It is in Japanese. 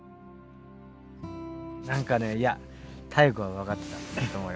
何かねいや妙子は分かってたんだと思うよ。